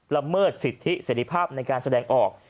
ละเมิดสิทธิเสร็จภาพในการแสดงออก